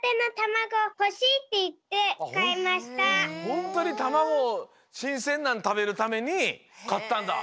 ほんとにたまごしんせんなのたべるためにかったんだ。